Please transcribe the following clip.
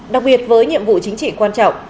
đặc biệt với nhiệm vụ chính trị quan trọng